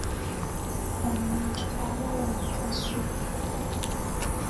Omuntu aba wa nkasu.